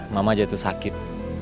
mama jatuh sakit